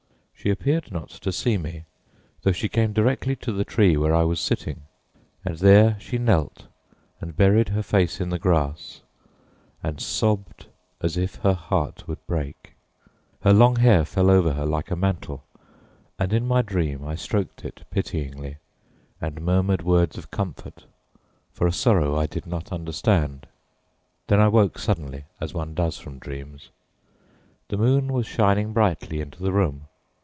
She appeared not to see me, though she came directly to the tree where I was sitting. And there she knelt and buried her face in the grass and sobbed as if her heart would break. Her long hair fell over her like a mantle, and in my dream I stroked it pityingly and murmured words of comfort for a sorrow I did not understand.... Then I woke suddenly as one does from dreams. The moon was shining brightly into the room.